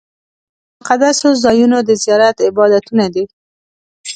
د مقدسو ځایونو د زیارت عبادتونه دي.